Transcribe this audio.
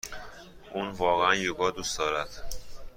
او واقعا یوگا دوست دارد.